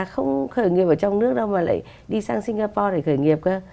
không khởi nghiệp ở trong nước đâu mà lại đi sang singapore để khởi nghiệp cơ